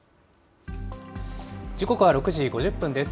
時刻は６時５０分です。